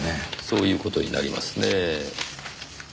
そういう事になりますねぇ。